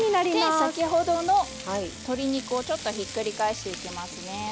先ほどの鶏肉をひっくり返していきますね。